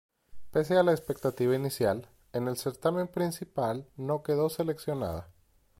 Pese a la expectativa inicial en el certamen principal no quedó seleccionada.